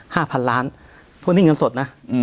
๕๐๐๐ล้านเพราะนี่เงินสดนะ